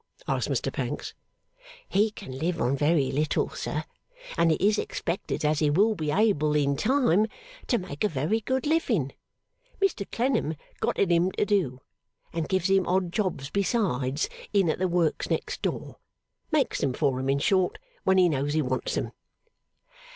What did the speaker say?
asked Mr Pancks. 'He can live on very little, sir, and it is expected as he will be able, in time, to make a very good living. Mr Clennam got it him to do, and gives him odd jobs besides in at the Works next door makes 'em for him, in short, when he knows he wants 'em.